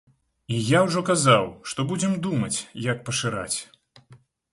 І я ўжо казаў, што будзем думаць, як пашыраць.